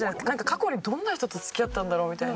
過去にどんな人と付き合ったんだろう？みたいな。